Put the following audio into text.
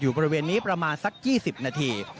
บริเวณนี้ประมาณสัก๒๐นาที